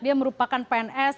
dia merupakan pns